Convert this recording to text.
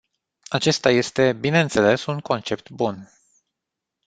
Acesta este, bineînțeles, un concept bun.